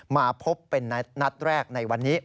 มาพบเป็นนัดแรกในวันนี้